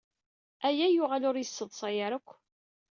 Aya yuɣal ur yesseḍsay ara akk.